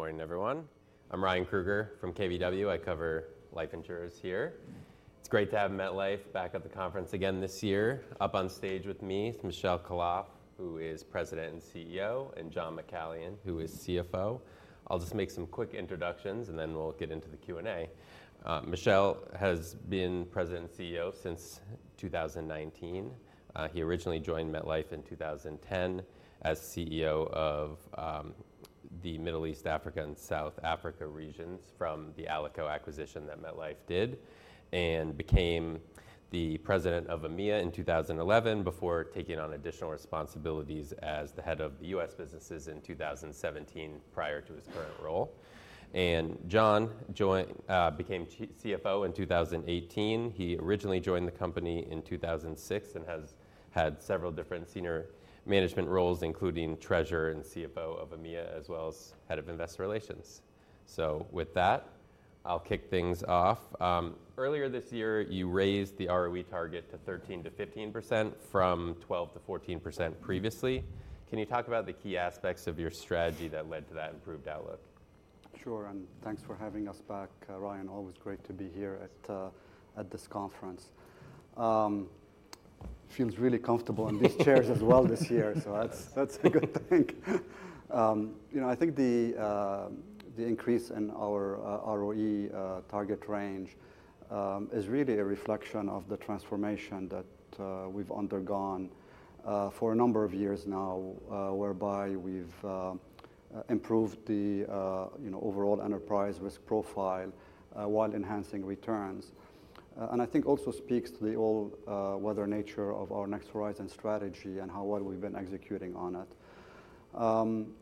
Good morning, everyone. I'm Ryan Krueger from KBW. I cover life insurers here. It's great to have MetLife back at the conference again this year. Up on stage with me is Michel Khalaf, who is President and CEO, and John McCallion, who is CFO. I'll just make some quick introductions, and then we'll get into the Q&A. Michel has been President and CEO since 2019. He originally joined MetLife in 2010 as CEO of the Middle East, Africa, and South Africa regions from the Alico acquisition that MetLife did, and became the President of EMEA in 2011 before taking on additional responsibilities as the head of the U.S. businesses in 2017, prior to his current role. John became CFO in 2018. He originally joined the company in 2006 and has had several different senior management roles, including Treasurer and CFO of EMEA, as well as Head of Investor Relations. So with that, I'll kick things off. Earlier this year, you raised the ROE target to 13%-15% from 12%-14% previously. Can you talk about the key aspects of your strategy that led to that improved outlook? Sure, and thanks for having us back, Ryan. Always great to be here at this conference. Feels really comfortable in these chairs as well this year, so that's a good thing. You know, I think the increase in our ROE target range is really a reflection of the transformation that we've undergone for a number of years now, whereby we've improved the, you know, overall enterprise risk profile while enhancing returns. And I think also speaks to the all weather nature of our Next Horizon strategy and how well we've been executing on it.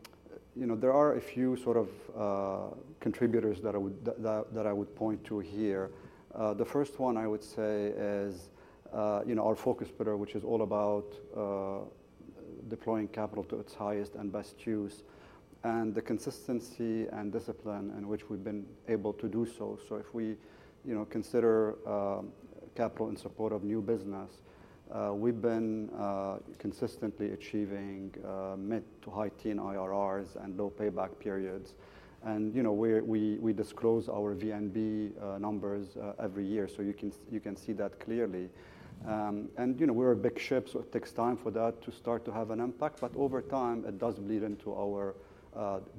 You know, there are a few sort of contributors that I would point to here. The first one I would say is, you know, our focus better, which is all about, deploying capital to its highest and best use, and the consistency and discipline in which we've been able to do so. So if we, you know, consider, capital in support of new business, we've been, consistently achieving, mid to high teens IRRs and low payback periods. And, you know, we disclose our VNB numbers every year, so you can see that clearly. And you know, we're a big ship, so it takes time for that to start to have an impact, but over time, it does bleed into our,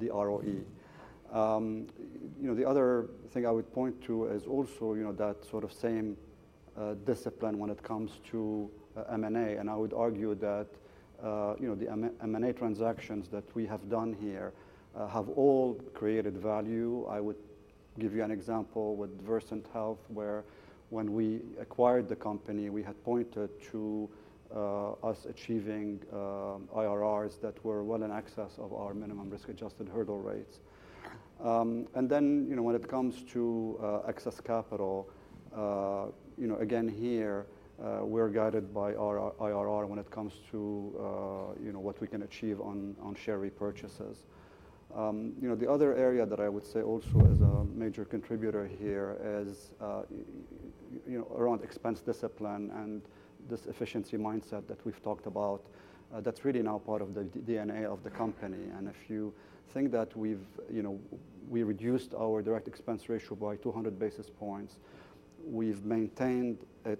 the ROE. You know, the other thing I would point to is also, you know, that sort of same, discipline when it comes to, M&A. I would argue that, you know, the M&A, M&A transactions that we have done here have all created value. I would give you an example with Versant Health, where when we acquired the company, we had pointed to us achieving IRRs that were well in excess of our minimum risk-adjusted hurdle rates. And then, you know, when it comes to excess capital, you know, again, here, we're guided by our IRR when it comes to you know, what we can achieve on, on share repurchases. You know, the other area that I would say also is a major contributor here is you know, around expense discipline and this efficiency mindset that we've talked about, that's really now part of the DNA of the company. And if you think that we've, you know, we reduced our Direct Expense Ratio by 200 basis points, we've maintained it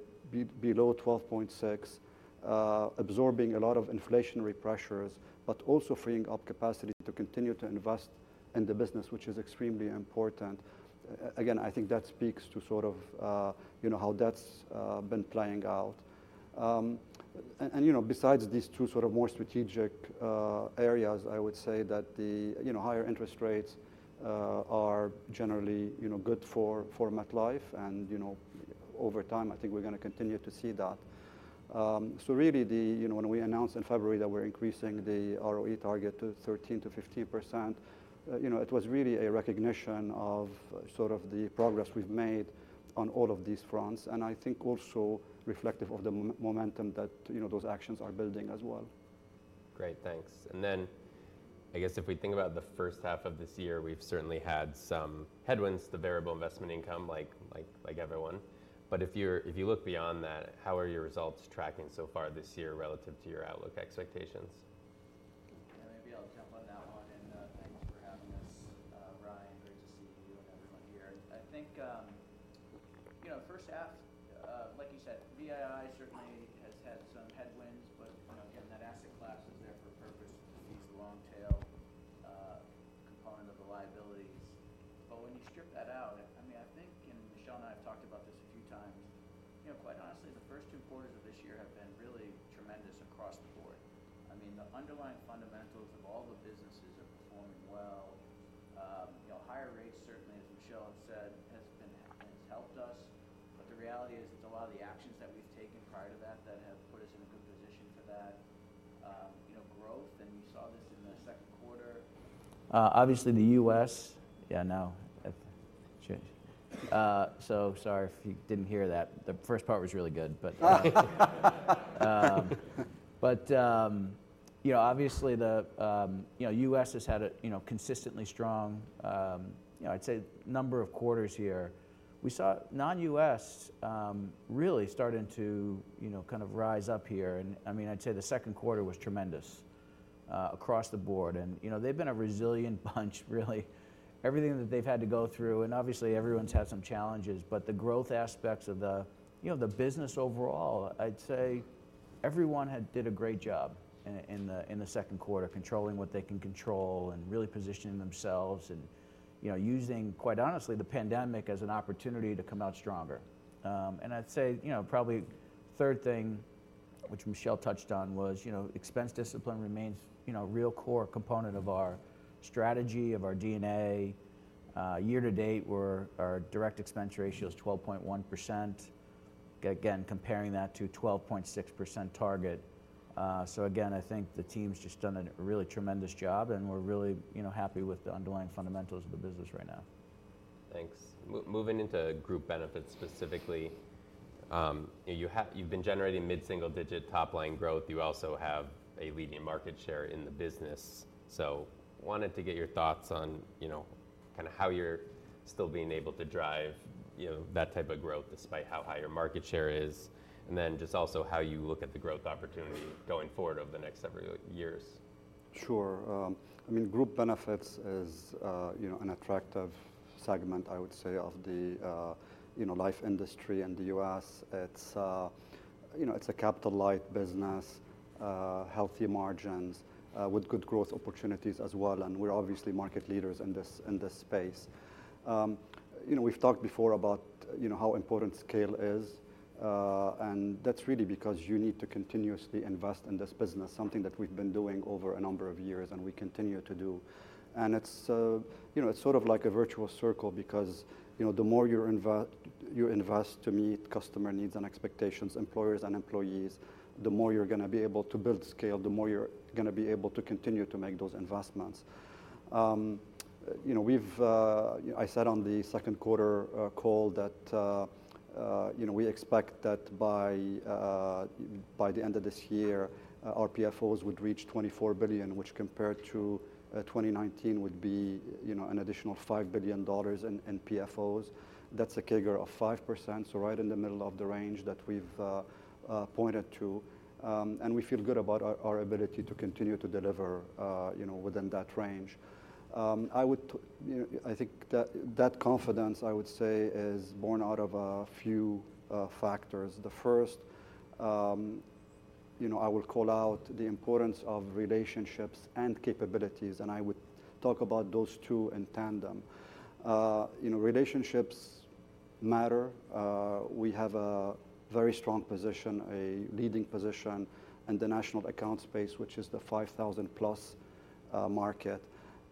below 12.6, absorbing a lot of inflationary pressures, but also freeing up capacity to continue to invest in the business, which is extremely important. Again, I think that speaks to sort of, you know, how that's been playing out. And, and you know, besides these two sort of more strategic areas, I would say that the, you know, higher interest rates are generally, you know, good for MetLife. And, you know, over time, I think we're gonna continue to see that. So really, the, you know, when we announced in February that we're increasing the ROE target to 13%-15%, you know, it was really a recognition of sort of the progress we've made on all of these fronts, and I think also reflective of the momentum that, you know, those actions are building as well. Great, thanks. And then I guess if we think about the first half of this year, we've certainly had some headwinds, the variable investment income, like, like, like everyone. But if you look beyond that, how are your results tracking so far this year relative to your outlook expectations? Yeah, maybe I'll jump on that one, and thanks for having us, Ryan, great to see you and everyone here. I think, you know, first half, like you said, VII certainly across the board. And, you know, they've been a resilient bunch, really. Everything that they've had to go through, and obviously everyone's had some challenges, but the growth aspects of the, you know, the business overall, I'd say everyone had did a great job in the, in the second quarter, controlling what they can control and really positioning themselves and, you know, using, quite honestly, the pandemic as an opportunity to come out stronger. And I'd say, you know, probably third thing, which Michel touched on, was, you know, expense discipline remains, you know, a real core component of our strategy, of our DNA. Year to date, our Direct Expense Ratio is 12.1%. Again, comparing that to 12.6% target. So again, I think the team's just done a really tremendous job, and we're really, you know, happy with the underlying fundamentals of the business right now. Thanks. Moving into group benefits specifically, you've been generating mid-single-digit top-line growth. You also have a leading market share in the business. So wanted to get your thoughts on, you know, kinda how you're still being able to drive, you know, that type of growth despite how high your market share is, and then just also how you look at the growth opportunity going forward over the next several years. Sure. I mean, group benefits is, you know, an attractive segment, I would say, of the, you know, life industry in the U.S. It's, you know, it's a capital-light business, healthy margins, with good growth opportunities as well, and we're obviously market leaders in this, in this space. You know, we've talked before about, you know, how important scale is, and that's really because you need to continuously invest in this business, something that we've been doing over a number of years and we continue to do. And it's, you know, it's sort of like a virtual circle because, you know, the more you invest to meet customer needs and expectations, employers and employees, the more you're gonna be able to build scale, the more you're gonna be able to continue to make those investments. You know, we've... I said on the second quarter call that, you know, we expect that by the end of this year, our PFOs would reach $24 billion, which compared to 2019 would be, you know, an additional $5 billion in PFOs. That's a CAGR of 5%, so right in the middle of the range that we've pointed to. And we feel good about our ability to continue to deliver, you know, within that range. I would—you know, I think that confidence, I would say, is born out of a few factors. The first, you know, I will call out the importance of relationships and capabilities, and I would talk about those two in tandem. You know, relationships matter. We have a very strong position, a leading position in the national account space, which is the 5,000 plus market.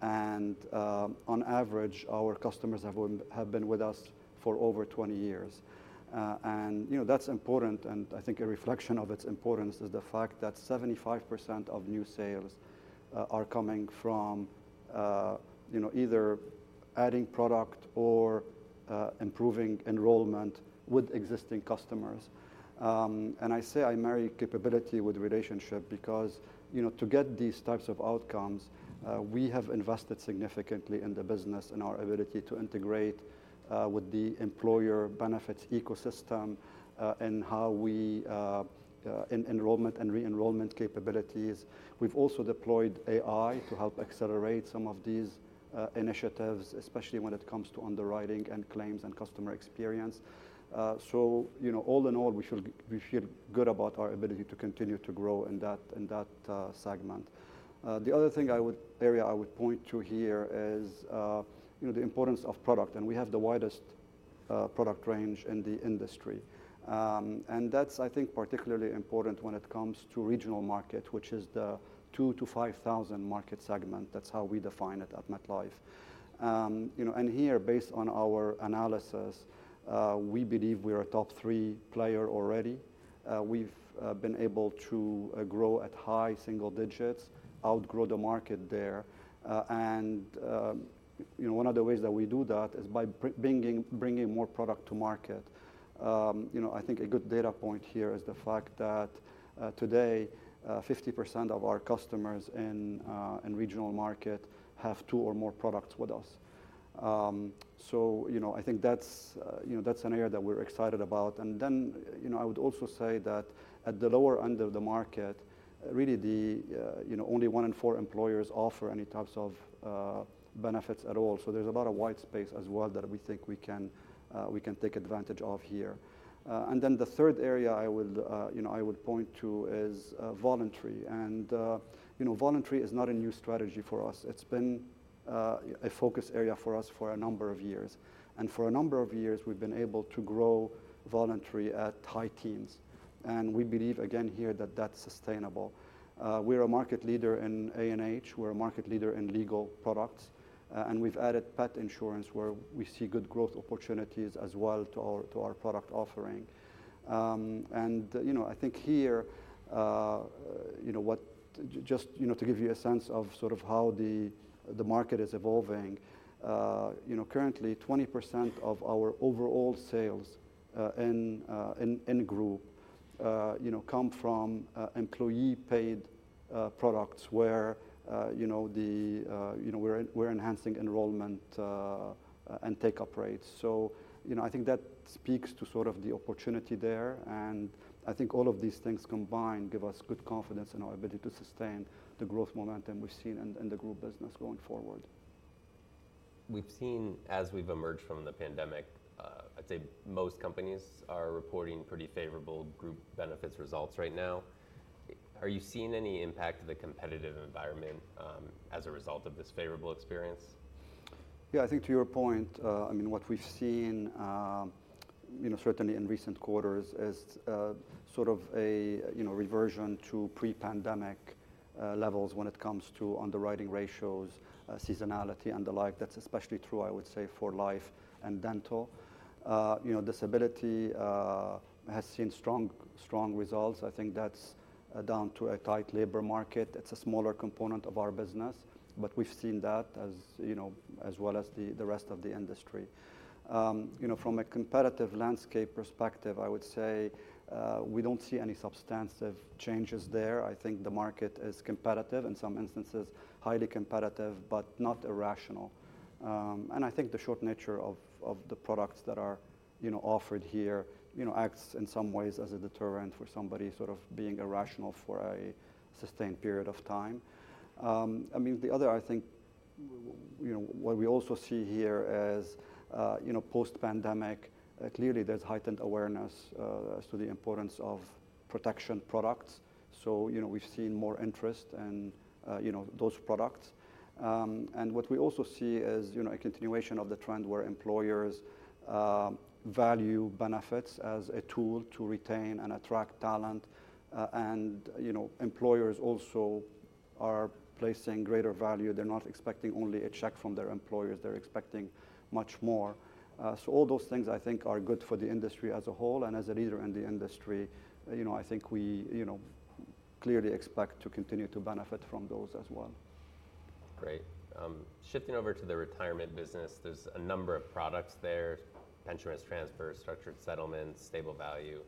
On average, our customers have been with us for over 20 years. You know, that's important, and I think a reflection of its importance is the fact that 75% of new sales are coming from, you know, either adding product or improving enrollment with existing customers. I say I marry capability with relationship because, you know, to get these types of outcomes, we have invested significantly in the business and our ability to integrate with the employer benefits ecosystem, and how we, in enrollment and re-enrollment capabilities. We've also deployed AI to help accelerate some of these initiatives, especially when it comes to underwriting and claims and customer experience. So, you know, all in all, we feel good about our ability to continue to grow in that, in that segment. The other thing I would point to here is, you know, the importance of product, and we have the widest product range in the industry. That's, I think, particularly important when it comes to regional market, which is the 2,000-5,000 market segment. That's how we define it at MetLife. You know, and here, based on our analysis, we believe we're a top three player already. We've been able to grow at high single digits, outgrow the market there. You know, one of the ways that we do that is by bringing more product to market. You know, I think a good data point here is the fact that, today, 50% of our customers in regional market have two or more products with us. So, you know, I think that's, you know, that's an area that we're excited about. And then, you know, I would also say that at the lower end of the market, really, the, you know, only one in four employers offer any types of, benefits at all. So there's a lot of white space as well that we think we can, we can take advantage of here. And then the third area I would, you know, I would point to is voluntary. And, you know, voluntary is not a new strategy for us. It's been a focus area for us for a number of years. For a number of years, we've been able to grow voluntary at high teens, and we believe, again here, that that's sustainable. We're a market leader in A&H, we're a market leader in legal products, and we've added pet insurance, where we see good growth opportunities as well to our product offering. You know, I think here, you know, just, you know, to give you a sense of sort of how the market is evolving, you know, currently, 20% of our overall sales in group, you know, come from employee-paid products, where, you know, the, you know, we're enhancing enrollment and take-up rates. So, you know, I think that speaks to sort of the opportunity there, and I think all of these things combined give us good confidence in our ability to sustain the growth momentum we've seen in the group business going forward. We've seen as we've emerged from the pandemic, I'd say most companies are reporting pretty favorable group benefits results right now. Are you seeing any impact to the competitive environment, as a result of this favorable experience? Yeah, I think to your point, I mean, what we've seen, you know, certainly in recent quarters is sort of a, you know, reversion to pre-pandemic levels when it comes to underwriting ratios, seasonality, and the like. That's especially true, I would say, for life and dental. You know, disability has seen strong, strong results. I think that's down to a tight labor market. It's a smaller component of our business, but we've seen that as, you know, as well as the rest of the industry. You know, from a competitive landscape perspective, I would say, we don't see any substantive changes there. I think the market is competitive, in some instances, highly competitive, but not irrational. And I think the short nature of the products that are, you know, offered here, you know, acts in some ways as a deterrent for somebody sort of being irrational for a sustained period of time. I mean, the other... I think, you know, what we also see here is, you know, post-pandemic, clearly there's heightened awareness, as to the importance of protection products. So, you know, we've seen more interest in, you know, those products. And what we also see is, you know, a continuation of the trend where employers value benefits as a tool to retain and attract talent. And, you know, employers also are placing greater value. They're not expecting only a check from their employers; they're expecting much more. So all those things, I think, are good for the industry as a whole, and as a leader in the industry, you know, I think we, you know, clearly expect to continue to benefit from those as well. Great. Shifting over to the retirement business, there's a number of products there: pension risk transfers, structured settlements, stable value,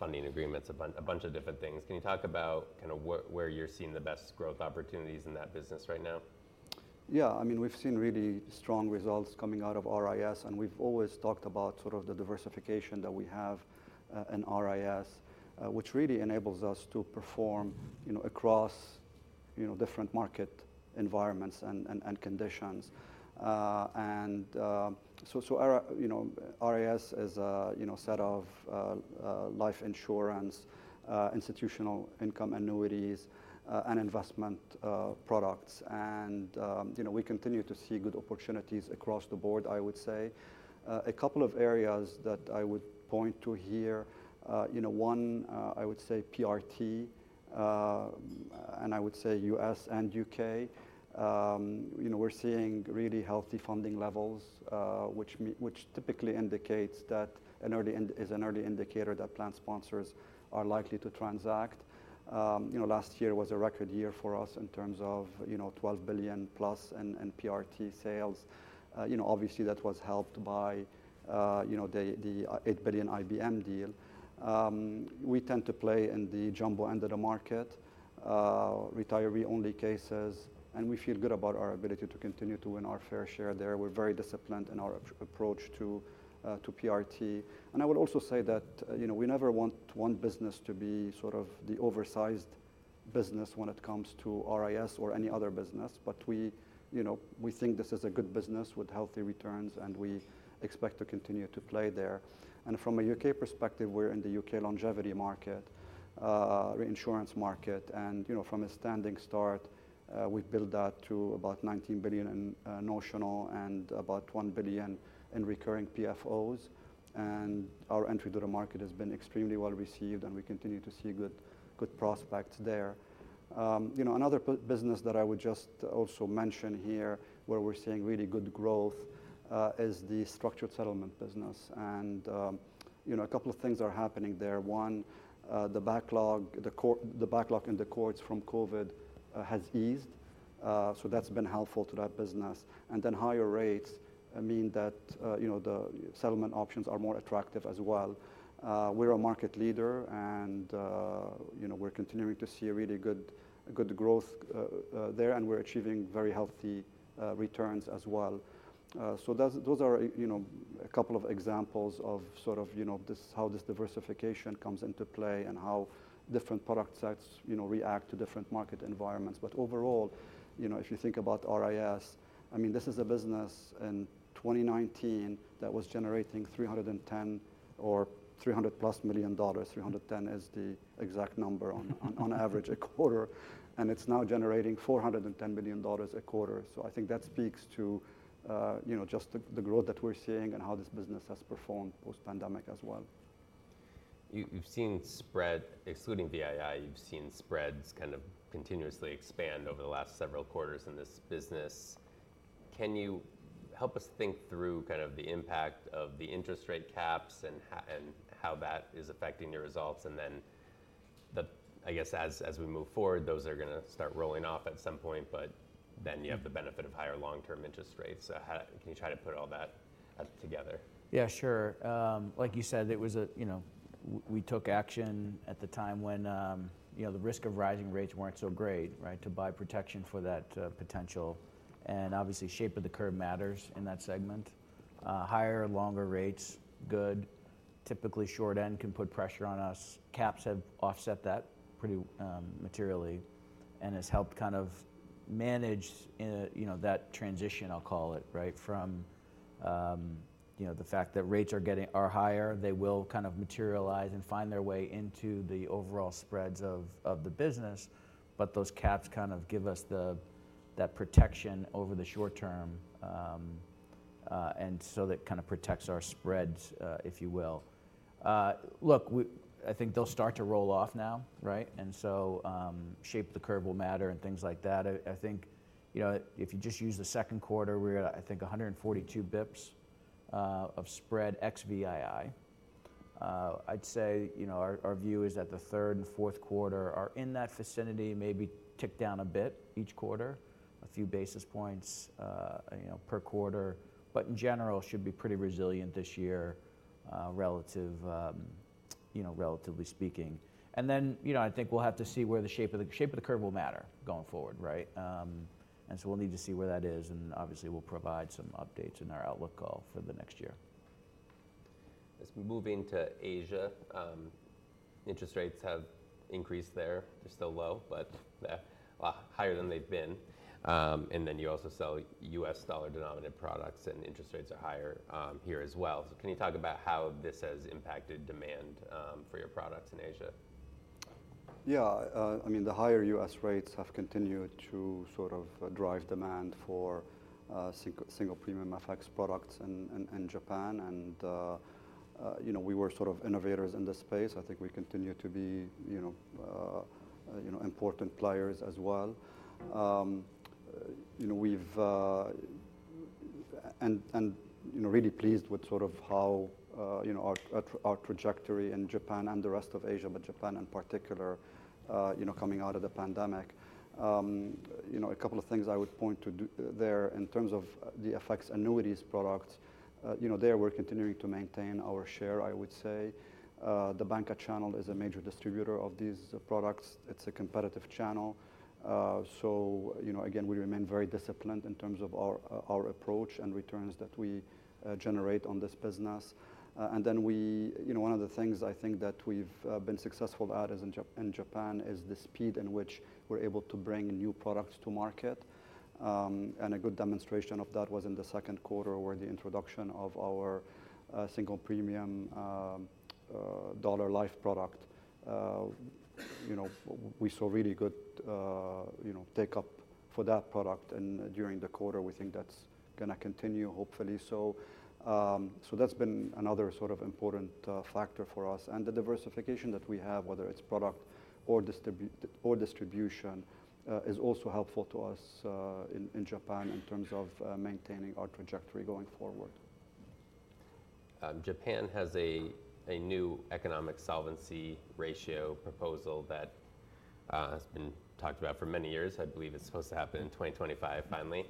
funding agreements, a bunch of different things. Can you talk about kind of where you're seeing the best growth opportunities in that business right now? Yeah. I mean, we've seen really strong results coming out of RIS, and we've always talked about sort of the diversification that we have in RIS, which really enables us to perform, you know, across different market environments and conditions. So our, you know, RIS is a, you know, set of life insurance, institutional income annuities, and investment products. And, you know, we continue to see good opportunities across the board, I would say. A couple of areas that I would point to here, you know, one, I would say PRT, and I would say U.S. and U.K. You know, we're seeing really healthy funding levels, which typically indicates that an early indicator that plan sponsors are likely to transact. You know, last year was a record year for us in terms of $12 billion plus in PRT sales. You know, obviously, that was helped by the $8 billion IBM deal. We tend to play in the jumbo end of the market, retiree-only cases, and we feel good about our ability to continue to win our fair share there. We're very disciplined in our approach to PRT. And I would also say that, you know, we never want one business to be sort of the oversized business when it comes to RIS or any other business. But we, you know, we think this is a good business with healthy returns, and we expect to continue to play there. And from a U.K. perspective, we're in the U.K. longevity market, reinsurance market. You know, from a standing start, we've built that to about $19 billion in notional and about $1 billion in recurring PFOs, and our entry to the market has been extremely well-received, and we continue to see good prospects there. You know, another business that I would just also mention here, where we're seeing really good growth, is the structured settlement business. You know, a couple of things are happening there. One, the backlog in the courts from COVID has eased, so that's been helpful to that business. And then higher rates mean that, you know, the settlement options are more attractive as well. We're a market leader, and, you know, we're continuing to see a really good, good growth, there, and we're achieving very healthy, returns as well. So that's... those are, you know, a couple of examples of sort of, you know, this, how this diversification comes into play and how different product sets, you know, react to different market environments. But overall, you know, if you think about RIS, I mean, this is a business in 2019 that was generating $310 million or $300+ million, $310 million is the exact number, on average a quarter, and it's now generating $410 million a quarter. So I think that speaks to, you know, just the growth that we're seeing and how this business has performed post-pandemic as well. You've seen spread... Excluding VII, you've seen spreads kind of continuously expand over the last several quarters in this business. Can you help us think through kind of the impact of the interest rate caps and how that is affecting your results? And then, I guess, as we move forward, those are gonna start rolling off at some point, but then you have the benefit of higher long-term interest rates. So... Can you try to put all that together? Yeah, sure. Like you said, it was a, you know... We took action at the time when, you know, the risk of rising rates weren't so great, right? To buy protection for that potential. And obviously, shape of the curve matters in that segment. Higher and longer rates, good. Typically short end can put pressure on us. Caps have offset that pretty materially, and has helped kind of manage, you know, that transition, I'll call it, right? From, you know, the fact that rates are getting are higher, they will kind of materialize and find their way into the overall spreads of, of the business, but those caps kind of give us that protection over the short term. And so that kind of protects our spreads, if you will. Look, I think they'll start to roll off now, right? And so, shape of the curve will matter and things like that. I think, you know, if you just use the second quarter, we're at, I think, 142 bps of spread ex VII. I'd say, you know, our view is that the third and fourth quarter are in that vicinity, maybe tick down a bit each quarter, a few basis points, you know, per quarter, but in general, should be pretty resilient this year, relative, you know, relatively speaking. And then, you know, I think we'll have to see where the shape of the curve will matter going forward, right? And so we'll need to see where that is, and obviously, we'll provide some updates in our outlook call for the next year. Let's move into Asia. Interest rates have increased there. They're still low, but they're a lot higher than they've been. And then you also sell U.S. dollar-denominated products, and interest rates are higher, here as well. So can you talk about how this has impacted demand, for your products in Asia? Yeah. I mean, the higher U.S. rates have continued to sort of drive demand for single premium FX products in Japan. And, you know, we were sort of innovators in this space. I think we continue to be, you know, important players as well. And, you know, really pleased with sort of how, you know, our trajectory in Japan and the rest of Asia, but Japan in particular, you know, coming out of the pandemic. You know, a couple of things I would point to there in terms of the FX annuities products, you know, there, we're continuing to maintain our share, I would say. The banca channel is a major distributor of these products. It's a competitive channel. So, you know, again, we remain very disciplined in terms of our approach and returns that we generate on this business. And then we. You know, one of the things I think that we've been successful at is in Japan, is the speed in which we're able to bring new products to market. And a good demonstration of that was in the second quarter, where the introduction of our single premium dollar life product, you know, we saw really good, you know, take-up for that product. And during the quarter, we think that's going to continue, hopefully so. So that's been another sort of important factor for us. The diversification that we have, whether it's product or distribution, is also helpful to us in Japan in terms of maintaining our trajectory going forward. Japan has a new economic solvency ratio proposal that has been talked about for many years. I believe it's supposed to happen in 2025, finally.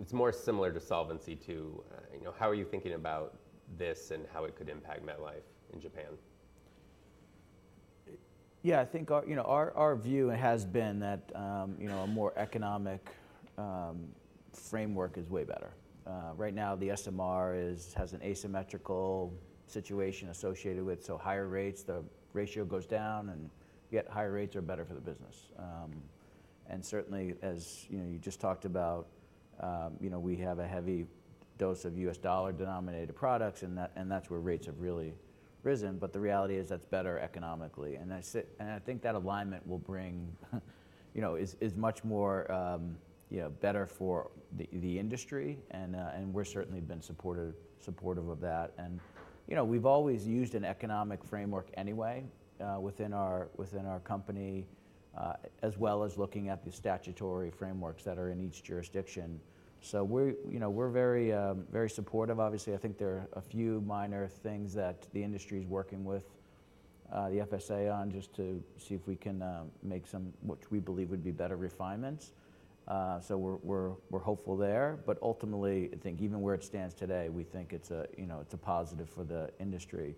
It's more similar to Solvency II. You know, how are you thinking about this and how it could impact MetLife in Japan? Yeah, I think our, you know, our view has been that, you know, a more economic framework is way better. Right now, the SMR has an asymmetrical situation associated with it, so higher rates, the ratio goes down, and yet higher rates are better for the business. And certainly, as, you know, you just talked about, you know, we have a heavy dose of U.S. dollar-denominated products, and that, and that's where rates have really risen. But the reality is that's better economically. And and I think that alignment will bring, you know, is, is much more, you know, better for the, the industry, and, and we're certainly been supportive of that. You know, we've always used an economic framework anyway, within our company, as well as looking at the statutory frameworks that are in each jurisdiction. So, you know, we're very, very supportive. Obviously, I think there are a few minor things that the industry is working with the FSA on, just to see if we can make some, which we believe would be better refinements. So we're hopeful there, but ultimately, I think even where it stands today, we think it's a, you know, it's a positive for the industry.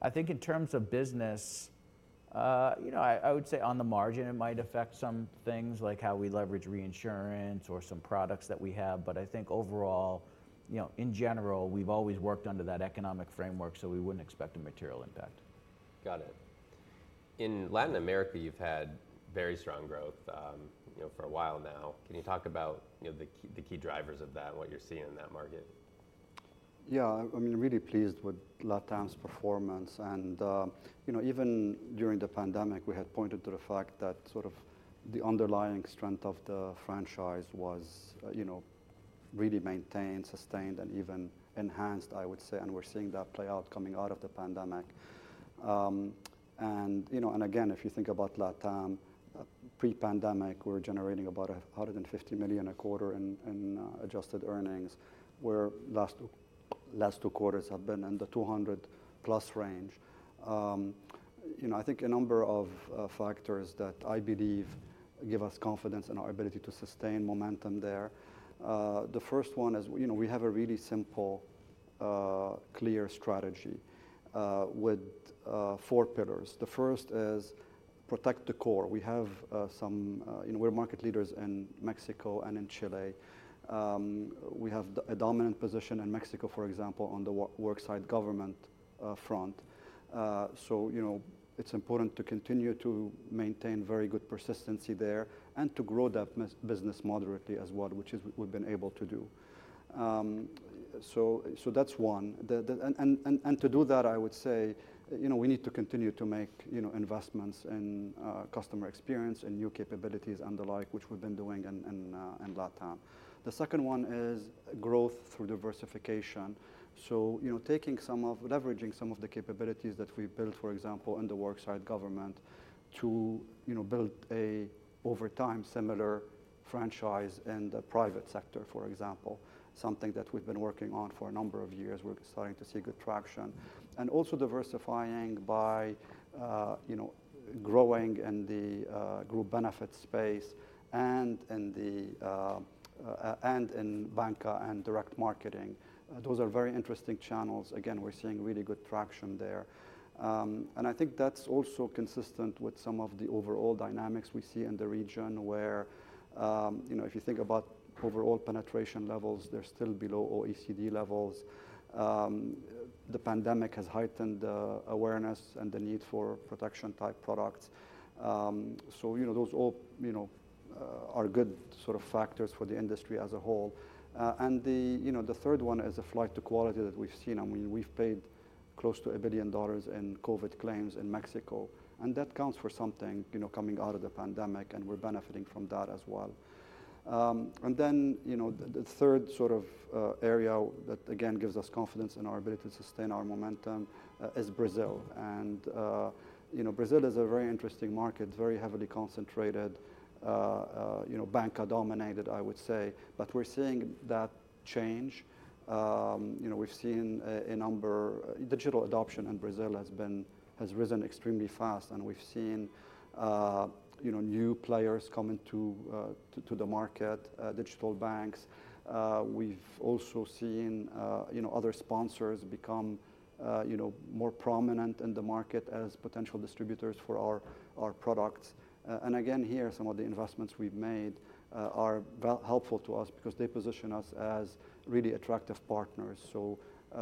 I think in terms of business, you know, I would say on the margin, it might affect some things like how we leverage reinsurance or some products that we have, but I think overall, you know, in general, we've always worked under that economic framework, so we wouldn't expect a material impact. Got it. In Latin America, you've had very strong growth, you know, for a while now. Can you talk about, you know, the key, the key drivers of that and what you're seeing in that market? Yeah. I'm, I mean, really pleased with LatAm's performance. And, you know, even during the pandemic, we had pointed to the fact that sort of the underlying strength of the franchise was, you know, really maintained, sustained, and even enhanced, I would say, and we're seeing that play out coming out of the pandemic. And, you know, and again, if you think about LatAm, pre-pandemic, we were generating about $150 million a quarter in adjusted earnings, where last two quarters have been in the 200+ range. You know, I think a number of factors that I believe give us confidence in our ability to sustain momentum there. The first one is, you know, we have a really simple, clear strategy, with four pillars. The first is protect the core. We have some, you know, we're market leaders in Mexico and in Chile. We have a dominant position in Mexico, for example, on the work side, government front. So, you know, it's important to continue to maintain very good persistency there and to grow that business moderately as well, which is we've been able to do. So, so that's one. And to do that, I would say, you know, we need to continue to make, you know, investments in customer experience and new capabilities and the like, which we've been doing in LatAm. The second one is growth through diversification. So, you know, leveraging some of the capabilities that we've built, for example, in the work side, government, to, you know, build a, over time, similar franchise in the private sector, for example, something that we've been working on for a number of years. We're starting to see good traction. And also diversifying by, you know, growing in the group benefit space and in banca and direct marketing. Those are very interesting channels. Again, we're seeing really good traction there. And I think that's also consistent with some of the overall dynamics we see in the region, where, you know, if you think about overall penetration levels, they're still below OECD levels. The pandemic has heightened the awareness and the need for protection-type products. So, you know, those all, you know, are good sort of factors for the industry as a whole. And, you know, the third one is a flight to quality that we've seen. I mean, we've paid close to $1 billion in COVID claims in Mexico, and that counts for something, you know, coming out of the pandemic, and we're benefiting from that as well. And then, you know, the third sort of area that, again, gives us confidence in our ability to sustain our momentum is Brazil. And, you know, Brazil is a very interesting market, very heavily concentrated, you know, banca-dominated, I would say. But we're seeing that change. You know, we've seen a number... Digital adoption in Brazil has risen extremely fast, and we've seen, you know, new players come into, to the market, digital banks. We've also seen, you know, other sponsors become, you know, more prominent in the market as potential distributors for our, our products. And again, here, some of the investments we've made, are helpful to us because they position us as really attractive partners. So,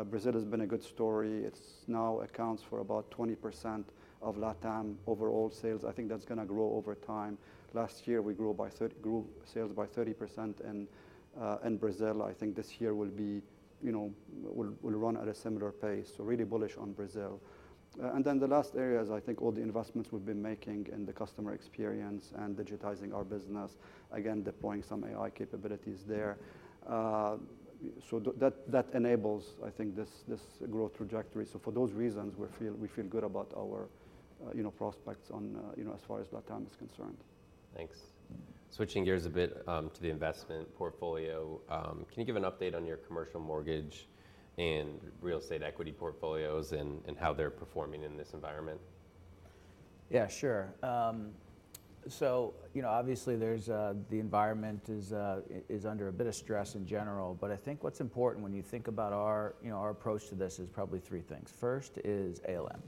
Brazil has been a good story. It's now accounts for about 20% of LatAm overall sales. I think that's gonna grow over time. Last year, we grew sales by 30% in Brazil. I think this year will be, you know, will run at a similar pace, so really bullish on Brazil. And then the last area is, I think all the investments we've been making in the customer experience and digitizing our business, again, deploying some AI capabilities there. So that enables, I think, this growth trajectory. So for those reasons, we feel, we feel good about our, you know, prospects on, you know, as far as LatAm is concerned. Thanks. Switching gears a bit, to the investment portfolio. Can you give an update on your commercial mortgage and real estate equity portfolios and, and how they're performing in this environment? Yeah, sure. So you know, obviously, there's the environment is, is under a bit of stress in general. But I think what's important when you think about our, you know, our approach to this is probably three things. First is ALM.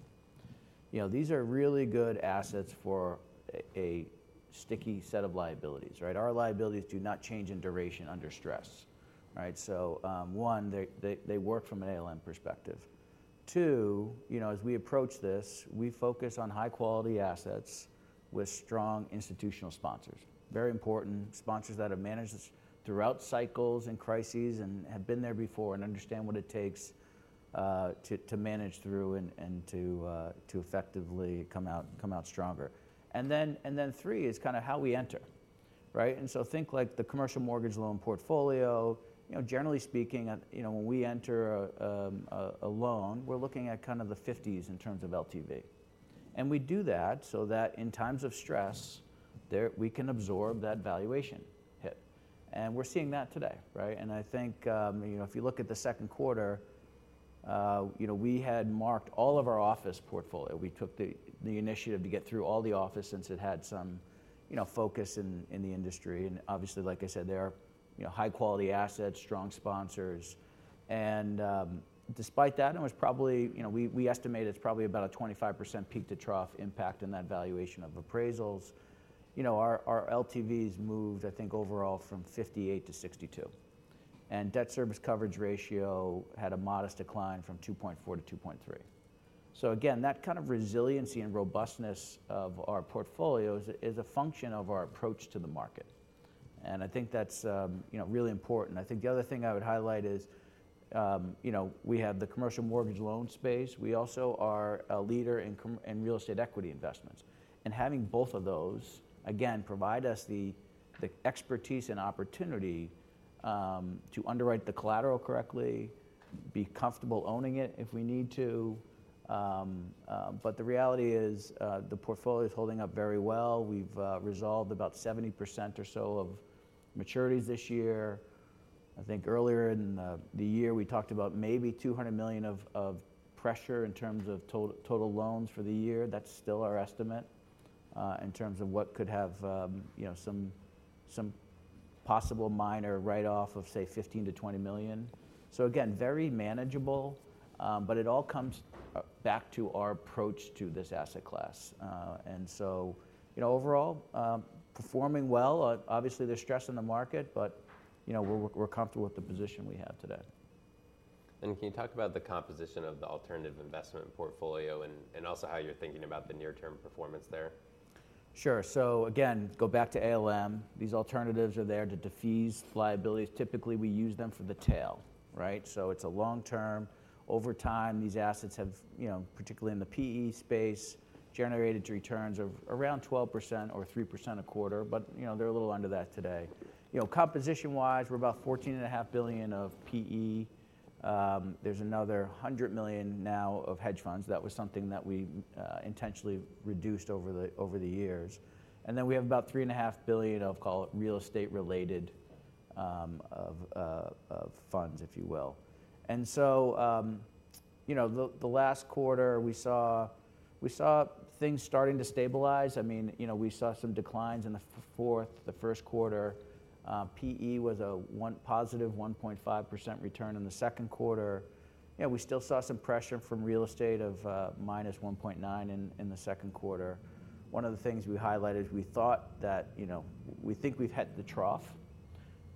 You know, these are really good assets for a sticky set of liabilities, right? Our liabilities do not change in duration under stress, right? So, one, they work from an ALM perspective. Two, you know, as we approach this, we focus on high-quality assets with strong institutional sponsors. Very important, sponsors that have managed this throughout cycles and crises and have been there before and understand what it takes, to manage through and to effectively come out stronger. And then three is kinda how we enter, right? So think like the commercial mortgage loan portfolio. You know, generally speaking, you know, when we enter a loan, we're looking at kind of the 50s in terms of LTV. And we do that so that in times of stress, we can absorb that valuation hit, and we're seeing that today, right? And I think, you know, if you look at the second quarter, you know, we had marked all of our office portfolio. We took the initiative to get through all the office since it had some, you know, focus in the industry. And obviously, like I said, they are, you know, high-quality assets, strong sponsors. And, despite that, and it was probably... You know, we estimate it's probably about a 25% peak-to-trough impact in that valuation of appraisals. You know, our LTVs moved, I think, overall from 58-62, and debt service coverage ratio had a modest decline from 2.4-2.3. So again, that kind of resiliency and robustness of our portfolios is a function of our approach to the market, and I think that's, you know, really important. I think the other thing I would highlight is, you know, we have the commercial mortgage loan space. We also are a leader in in real estate equity investments. And having both of those, again, provide us the expertise and opportunity to underwrite the collateral correctly, be comfortable owning it if we need to. But the reality is, the portfolio is holding up very well. We've resolved about 70% or so of maturities this year. I think earlier in the year, we talked about maybe $200 million of pressure in terms of total loans for the year. That's still our estimate in terms of what could have, you know, some possible minor write-off of, say, $15 million-$20 million. So again, very manageable, but it all comes back to our approach to this asset class. And so, you know, overall, performing well. Obviously, there's stress in the market, but, you know, we're comfortable with the position we have today. Can you talk about the composition of the alternative investment portfolio, and also how you're thinking about the near-term performance there? Sure. So again, go back to ALM. These alternatives are there to defease liabilities. Typically, we use them for the tail, right? So it's a long term. Over time, these assets have, you know, particularly in the PE space, generated returns of around 12% or 3% a quarter. But, you know, they're a little under that today. You know, composition-wise, we're about $14.5 billion of PE. There's another $100 million now of hedge funds. That was something that we intentionally reduced over the years. And then we have about $3.5 billion of, call it, real estate related of funds, if you will. And so, you know, the last quarter, we saw things starting to stabilize. I mean, you know, we saw some declines in the fourth, the first quarter. PE was a positive 1.5% return in the second quarter. You know, we still saw some pressure from real estate of minus 1.9% in the second quarter. One of the things we highlighted, we thought that, you know... We think we've hit the trough.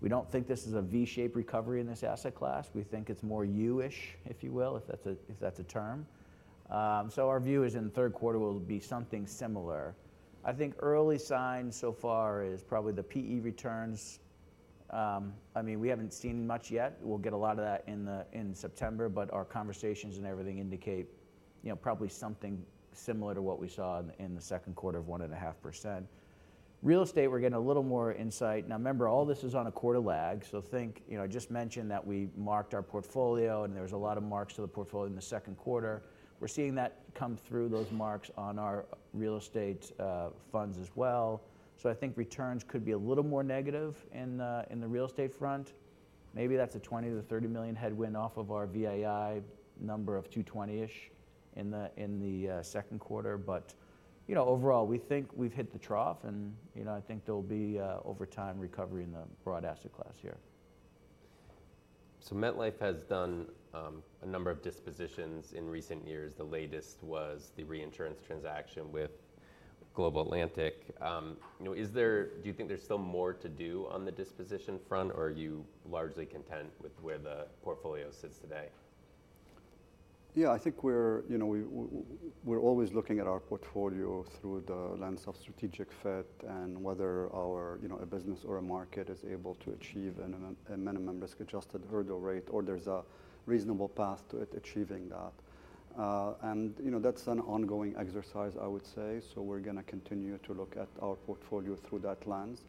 We don't think this is a V-shaped recovery in this asset class. We think it's more U-ish, if you will, if that's a term. So our view is in the third quarter will be something similar. I think early signs so far is probably the PE returns. I mean, we haven't seen much yet. We'll get a lot of that in September, but our conversations and everything indicate, you know, probably something similar to what we saw in the second quarter of 1.5%. Real estate, we're getting a little more insight. Now, remember, all this is on a quarter lag, so think, you know, I just mentioned that we marked our portfolio, and there was a lot of marks to the portfolio in the second quarter. We're seeing that come through, those marks, on our real estate funds as well. So I think returns could be a little more negative in the real estate front. Maybe that's a $20 million-$30 million headwind off of our VII number of 220-ish in the second quarter. But, you know, overall, we think we've hit the trough, and, you know, I think there'll be a over time recovery in the broad asset class here. So MetLife has done a number of dispositions in recent years. The latest was the reinsurance transaction with Global Atlantic. You know, do you think there's still more to do on the disposition front, or are you largely content with where the portfolio sits today? Yeah, I think we're, you know, we're always looking at our portfolio through the lens of strategic fit and whether our, you know, a business or a market is able to achieve a minimum risk-adjusted hurdle rate, or there's a reasonable path to it achieving that. And, you know, that's an ongoing exercise, I would say. So we're going to continue to look at our portfolio through that lens.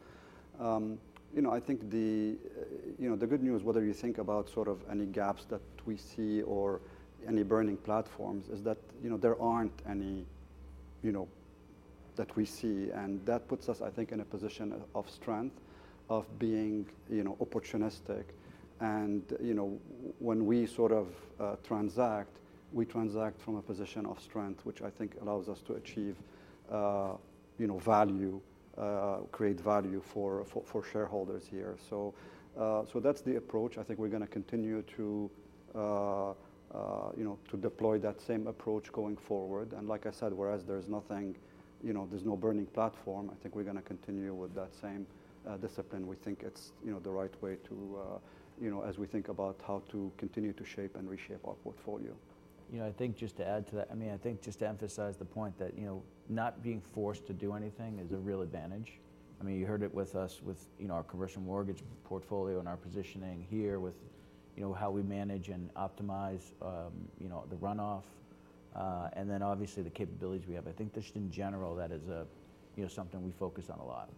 You know, I think the good news, whether you think about sort of any gaps that we see or any burning platforms, is that, you know, there aren't any that we see. And that puts us, I think, in a position of strength, of being, you know, opportunistic. And, you know, when we sort of transact, we transact from a position of strength, which I think allows us to achieve, you know, value, create value for shareholders here. So that's the approach. I think we're going to continue to, you know, to deploy that same approach going forward. And like I said, whereas there's nothing, you know, there's no burning platform, I think we're going to continue with that same discipline. We think it's, you know, the right way to, you know, as we think about how to continue to shape and reshape our portfolio. You know, I think just to add to that, I mean, I think just to emphasize the point that, you know, not being forced to do anything is a real advantage. I mean, you heard it with us, with, you know, our commercial mortgage portfolio and our positioning here, with, you know, how we manage and optimize, you know, the runoff, and then obviously, the capabilities we have. I think just in general, that is a, you know, something we focus on a lot.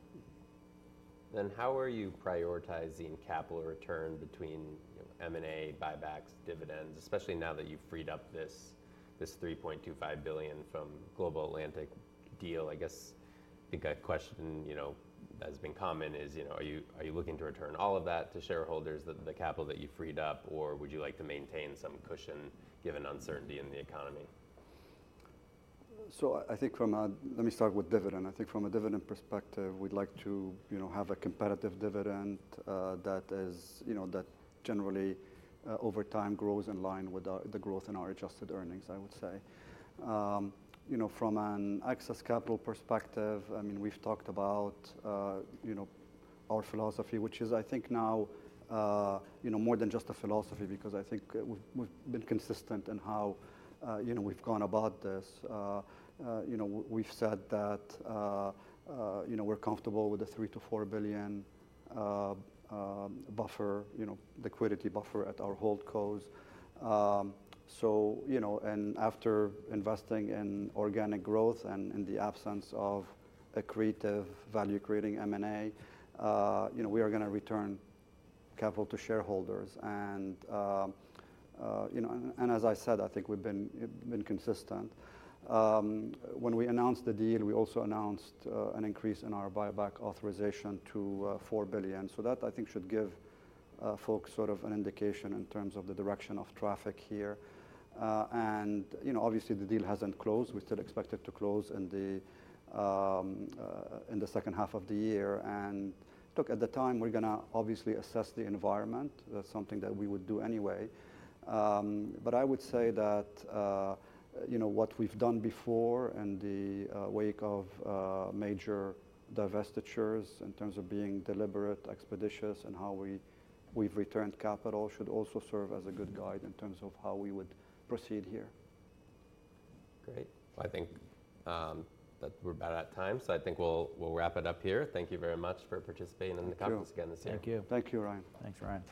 Then, how are you prioritizing capital return between, you know, M&A, buybacks, dividends, especially now that you've freed up this $3.25 billion from Global Atlantic deal? I guess a question, you know, that's been common is, you know, are you looking to return all of that to shareholders, the capital that you freed up, or would you like to maintain some cushion given uncertainty in the economy? I think from a... Let me start with dividend. I think from a dividend perspective, we'd like to, you know, have a competitive dividend, you know, that is, you know, that generally, over time, grows in line with our, the growth in our adjusted earnings, I would say. You know, from an excess capital perspective, I mean, we've talked about, you know, our philosophy, which is, I think now, you know, more than just a philosophy, because I think we've, we've been consistent in how, you know, we've gone about this. You know, we've said that, you know, we're comfortable with the $3 billion-$4 billion buffer, you know, liquidity buffer at our holdcos. So, you know, and after investing in organic growth and in the absence of accretive value-creating M&A, you know, we are going to return capital to shareholders. And, you know, and, and as I said, I think we've been consistent. When we announced the deal, we also announced an increase in our buyback authorization to $4 billion. So that, I think, should give folks sort of an indication in terms of the direction of traffic here. And, you know, obviously, the deal hasn't closed. We still expect it to close in the second half of the year. And look, at the time, we're going to obviously assess the environment. That's something that we would do anyway. But I would say that, you know, what we've done before in the wake of major divestitures in terms of being deliberate, expeditious in how we've returned capital should also serve as a good guide in terms of how we would proceed here. Great. Well, I think that we're about out of time, so I think we'll wrap it up here. Thank you very much for participating in the conference again this year. Thank you. Thank you, Ryan. Thanks, Ryan.